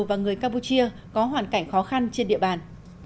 và người campuchia có hoàn cảnh khó khăn trên địa bàn